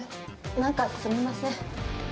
何かすみません。